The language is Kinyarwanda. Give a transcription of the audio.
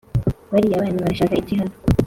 Bariya bana barashaka iki hano